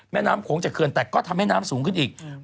แม่น้ำโขงจากเขื่อนแตกก็ทำให้น้ำสูงขึ้นอีก